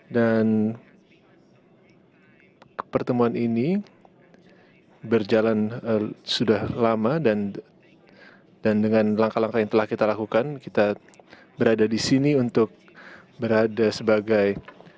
dan pertemuan ini berjalan sudah lama dan dengan langkah langkah yang telah kita lakukan kita berada di sini untuk berada sebagai